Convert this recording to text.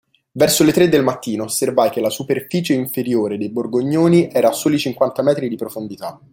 Verso le tre del mattino osservai che la superficie inferiore dei borgognoni era a soli cinquanta metri di profondità.